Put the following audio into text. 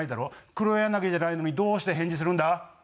黒柳じゃないのにどうして返事するんだ？